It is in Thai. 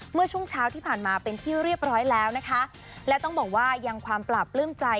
เมื่อช่วงเช้าที่ผ่านมาเป็นที่เรียบร้อยแล้วนะคะและต้องบอกว่ายังความปราบปลื้มใจ